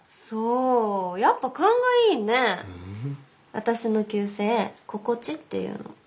私の旧姓爰地っていうの。